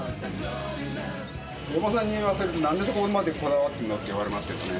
嫁さんに言わせると、なんでそこまでこだわってるの？って言われますけどね。